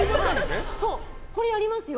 これやりますよ。